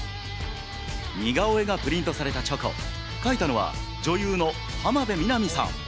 似顔絵がプリントされたチョコ、描いたのは、女優の浜辺美波さん。